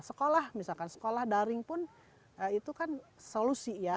sekolah misalkan sekolah daring pun itu kan solusi ya